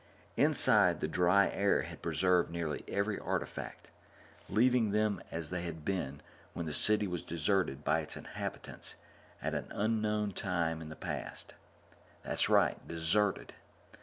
Inside, the dry air had preserved nearly every artifact, leaving them as they had been when the city was deserted by its inhabitants at an unknown time in the past. That's right deserted.